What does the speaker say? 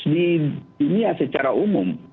di dunia secara umum